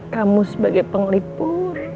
kamu sebagai pengelipur